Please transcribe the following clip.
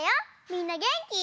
みんなげんき？